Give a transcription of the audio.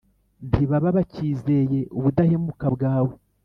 ntibaba bacyizeye ubudahemuka bwawe.